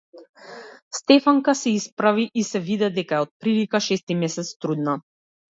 Стефанка се исправи и се виде дека е отприлика шести месец трудна.